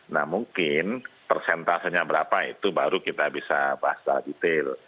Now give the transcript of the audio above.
nah mungkin persentasenya berapa itu baru kita bisa bahas secara detail